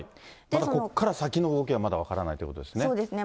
またここから先の動きはまだ分からないということですね。